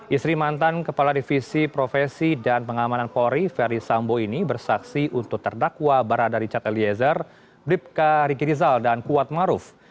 istri mantan kepala divisi profesi dan pengamanan polri ferdisambo ini bersaksi untuk terdakwa berada richard eliezer ripka ricky rizal dan kuat maruf